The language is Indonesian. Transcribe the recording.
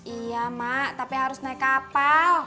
iya mak tapi harus naik kapal